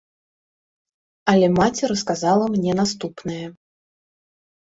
Але маці расказала мне наступнае.